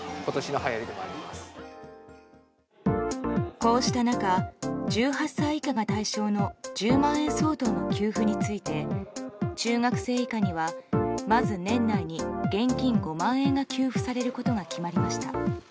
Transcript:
こうした中１８歳以下が対象の１０万円相当の給付について中学生以下にはまず年内に現金５万円が給付されることが決まりました。